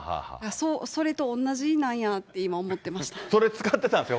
それと同じなんやって、今思ってそれ、使ってたんですか？